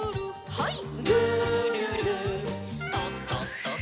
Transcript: はい。